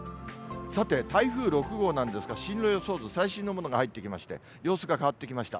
さて台風６号なんですが、進路予想図、最新のものが入ってきまして、様子が変わってきました。